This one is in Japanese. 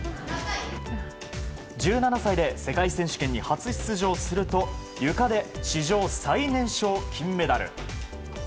１７歳で世界選手権に初出場するとゆかで史上最年少金メダル。